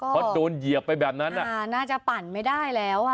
เพราะโดนเหยียบไปแบบนั้นน่าจะปั่นไม่ได้แล้วอ่ะ